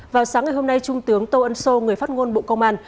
vào sáng ngày hôm nay trung tướng tô ân sô người phát ngôn bộ công an